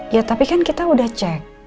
ya tapi kan kita udah cek